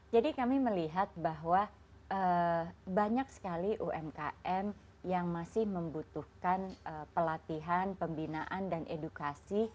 jadi kami melihat bahwa banyak sekali umkm yang masih membutuhkan pelatihan pembinaan dan edukasi